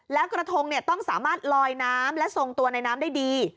แล้วกระทงต้องสามารถลอยน้ำและทรงตัวในน้ำได้ดี